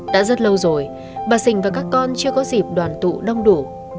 đã rất lâu rồi bà sình và các con chưa có dịp đoàn tụ đông đủ